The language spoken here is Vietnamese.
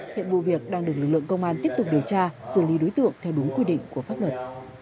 hiện vụ việc đang được lực lượng công an tiếp tục điều tra xử lý đối tượng theo đúng quy định của pháp luật